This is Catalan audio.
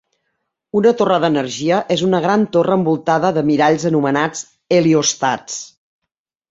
Una torre d'energia és una gran torre envoltada de miralls anomenats heliòstats.